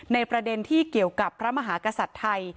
ประเด็นที่เกี่ยวกับพระมหากษัตริย์ไทย